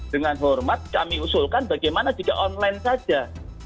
dengan hormat kami usulkan bagaimana jika online saja